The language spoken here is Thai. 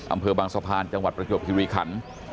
อำเภอบางสะพานจังหวัดประจวบคิริขัน